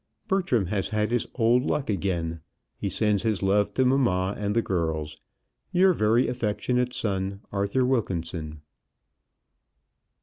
Bertram has had his old luck again. He sends his love to mamma and the girls. Your very affectionate son, ARTHUR WILKINSON.